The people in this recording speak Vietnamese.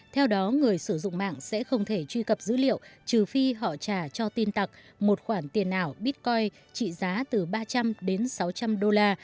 theo đó người sử dụng mạng sẽ không thể truy cập dữ liệu trừ phi họ trả cho tin tặc một khoản tiền ảo bitcoin trị giá từ ba trăm linh đến sáu trăm linh đô la